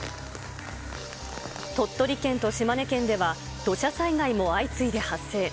鳥取県と島根県では、土砂災害も相次いで発生。